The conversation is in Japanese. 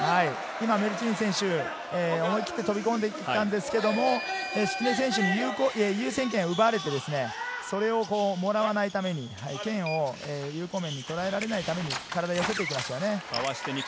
メルチーヌ選手、思い切って飛び込んでいったんですけど敷根選手に優先権を奪われて、それをもらわないために、剣を、有効面をとらえられないために体を寄せてきました。